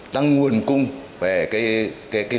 tăng nguồn cung về cái phân khuẩn